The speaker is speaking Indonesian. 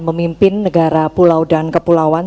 memimpin negara pulau dan kepulauan